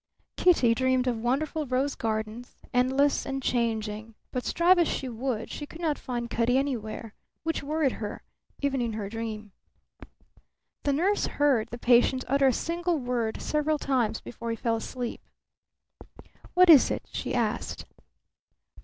Kitty dreamed of wonderful rose gardens, endless and changing; but strive as she would she could not find Cutty anywhere, which worried her, even in her dream. The nurse heard the patient utter a single word several times before he fell asleep. "What is it?" she asked.